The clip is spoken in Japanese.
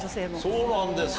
そうなんですか。